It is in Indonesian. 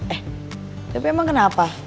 eh tapi emang kenapa